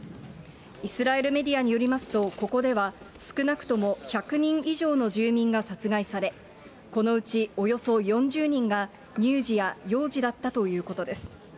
イスラエルメディアによりますと、ここでは、少なくとも１００人以上の住民が殺害され、このうちおよそ４０人が乳児や幼児だったということです。